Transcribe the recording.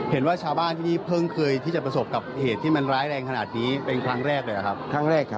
เห็นว่าชาวบ้านอยู่ที่นี่เพิ่มเคยที่จะประสบกับเหตุที่มันร้ายแรงขนาดนี้เป็นครั้งแรก